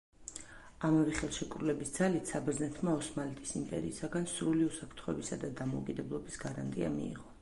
ამავე ხელშეკრულების ძალით საბერძნეთმა ოსმალეთის იმპერიისაგან სრული უსაფრთხოებისა და დამოუკიდებლობის გარანტია მიიღო.